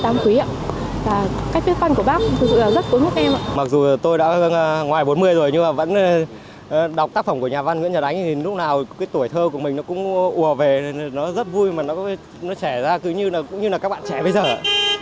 mặc dù tôi đã ngoài bốn mươi rồi nhưng mà vẫn đọc tác phẩm của nhà văn nguyễn nhật ánh thì lúc nào cái tuổi thơ của mình nó cũng ùa về nó rất vui mà nó trẻ ra cứ như là các bạn trẻ bây giờ ạ